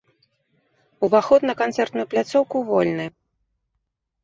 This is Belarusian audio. Уваход на канцэртную пляцоўку вольны.